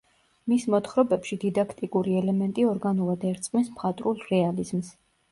მის მოთხრობებში დიდაქტიკური ელემენტი ორგანულად ერწყმის მხატვრულ რეალიზმს.